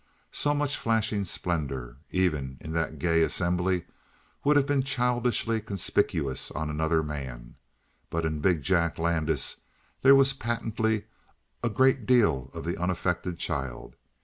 So much flashing splendor, even in that gay assembly, would have been childishly conspicuous on another man. But in big Jack Landis there was patently a great deal of the unaffected child.